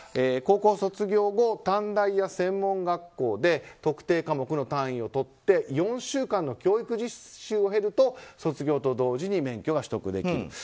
高校卒業後短大や専門学校で特定科目の単位を取って４週間の教育実習を経ると卒業と同時に免許が取得できる。